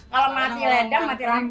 kalau mati lendang mati lampu